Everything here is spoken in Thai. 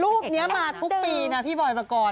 รูปนี้มาทุกปีนะพี่บอยปกรณ์